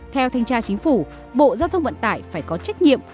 theo thanh tra chính phủ bộ giao thông vận tải phải có trách nhiệm